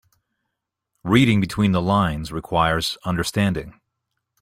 Reading between the lines requires understanding.